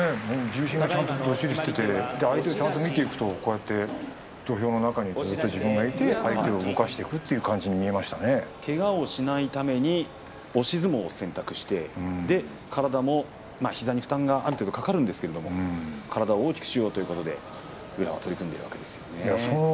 重心がちゃんとどっしりしていて相手を見ていくと土俵の中に自分がいて相手を動かしていく感じにけがをしないために押し相撲を選択して体も膝にある程度負担がかかるんですが体を大きくしようということで宇良は取り組んでいるわけですね。